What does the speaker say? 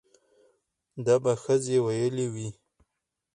دا به ښځې ويلې وي